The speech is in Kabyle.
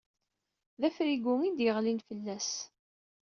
D afrigu i d-yeɣlin fell-as.